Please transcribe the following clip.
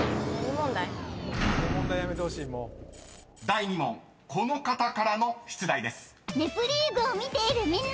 ［第２問この方からの出題です］